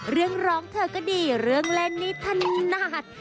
เรื่องร้องเธอก็ดีเรื่องเล่นนี่ถนัด